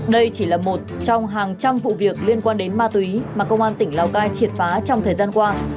đây chỉ là một trong hàng trăm vụ việc liên quan đến ma túy mà công an tỉnh lào cai triệt phá trong thời gian qua